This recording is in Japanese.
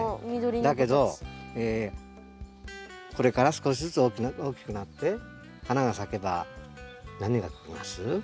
だけどこれから少しずつ大きくなって花が咲けば何が来ます？